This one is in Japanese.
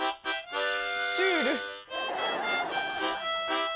シュール。